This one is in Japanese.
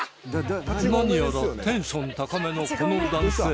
何やらテンション高めのこの男性